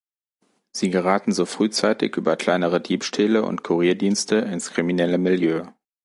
Sie geraten so frühzeitig über kleinere Diebstähle und Kurierdienste ins kriminelle Milieu.